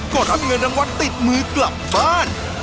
ก็รับเงินรางวัลติดมือกลับบ้าน